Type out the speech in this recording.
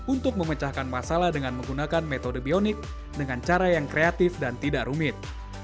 untuk memecahkan masalah dengan menggunakan metode bionik dengan cara yang kreatif dan tidak rumit